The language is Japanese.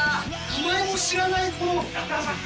名前も知らない。